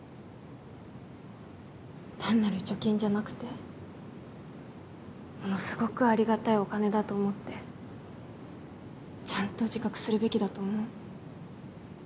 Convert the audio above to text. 単なる貯金じゃなくてものすごくありがたいお金だと思ってちゃんと自覚するべきだと思う。